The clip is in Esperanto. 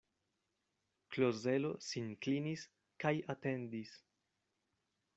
Klozelo sin klinis kaj atendis.